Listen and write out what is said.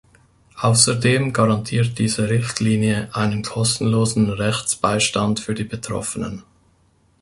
Außerdem garantiert diese Richtlinie einen kostenlosen Rechtsbeistand für die Betroffenen.